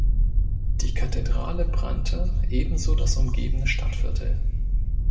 Die Kathedrale brannte, ebenso das umgebende Stadtviertel.